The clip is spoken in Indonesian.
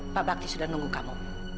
pak bakti sudah nunggu kamu